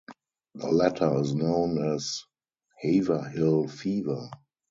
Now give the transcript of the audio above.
The latter is known as Haverhill fever.